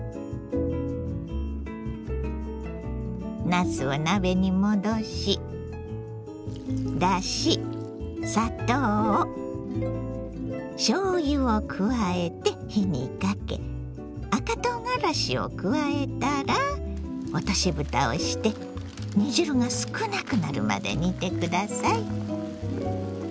なすを鍋にもどしだし砂糖しょうゆを加えて火にかけ赤とうがらしを加えたら落としぶたをして煮汁が少なくなるまで煮て下さい。